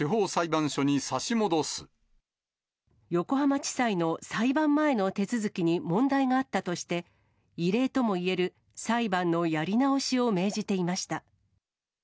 横浜地裁の裁判前の手続きに問題があったとして、異例ともいえる裁判のやり直しを命じていました。